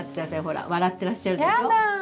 ほら笑ってらっしゃるでしょ。